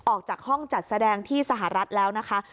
ออกจากห้องจัดแสดงที่สหรัฐแล้วนะคะ